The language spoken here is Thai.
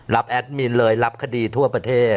แอดมินเลยรับคดีทั่วประเทศ